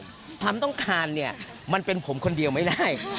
ความต้องการเนี่ยมันเป็นผมคนเดียวไม่ได้